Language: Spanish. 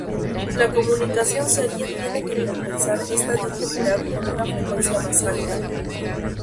La comunicación serie tiene que compensar esta debilidad con una frecuencia más alta.